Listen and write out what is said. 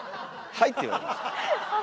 「ハイ」って言われました。